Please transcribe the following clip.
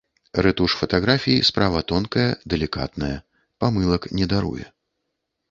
Рэтуш фатаграфій справа тонкая, далікатная, памылак не даруе.